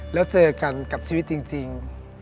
แล้วเจอกันกับชีวิตจริง